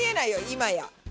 今や。